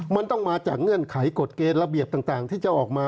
มันต้องมาจากเงื่อนไขกฎเกณฑ์ระเบียบต่างที่จะออกมา